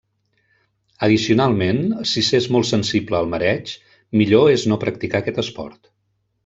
Addicionalment, si s'és molt sensible al mareig, millor és no practicar aquest esport.